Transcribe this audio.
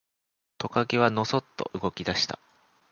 トカゲはのそっと動き出した。